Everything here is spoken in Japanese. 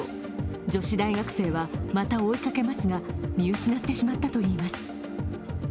女子大学生はまた追いかけますが見失ってしまったといいます。